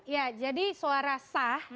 ya jadi suara sah